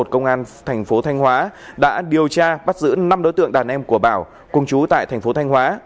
công an thành phố thanh hóa đã điều tra bắt giữ năm đối tượng đàn em của bảo cùng chú tại thành phố thanh hóa